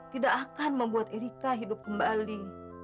tidak akan membuat irika hidup kembali